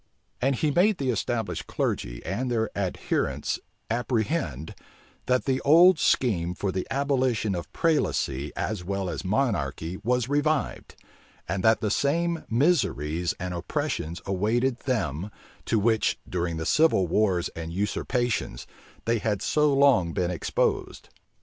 And he made the established clergy and their adherents apprehend, that the old scheme for the abolition of prelacy as well as monarchy was revived, and that the same miseries and oppressions awaited them, to which, during the civil wars and usurpations, they had so long been exposed.